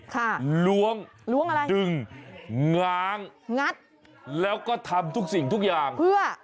ล้วงล้วงอะไรดึงง้างงัดแล้วก็ทำทุกสิ่งทุกอย่างเพื่อ